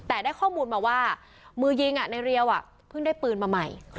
แต่ได้ข้อมูลมาว่ามือยิงในเรียวเพิ่งได้ปืนมาใหม่